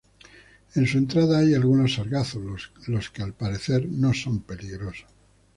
En su entrada hay algunos sargazos, los que al parecer no son peligrosos.